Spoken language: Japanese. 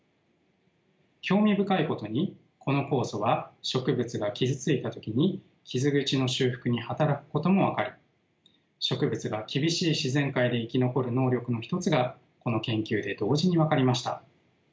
興味深いことにこの酵素は植物が傷ついた時に傷口の修復に働くことも分かり植物が厳しい自然界で生き残る能力の一つがこの研究で同時に分かりました。